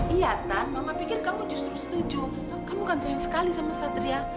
iya tan mama pikir kamu justru setuju kamu kan sayang sekali sama satria